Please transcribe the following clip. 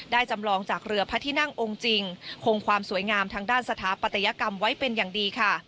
จำลองจากเรือพระที่นั่งองค์จริงคงความสวยงามทางด้านสถาปัตยกรรมไว้เป็นอย่างดีค่ะ